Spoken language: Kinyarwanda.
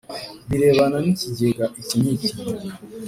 birebana n ikigega iki n iki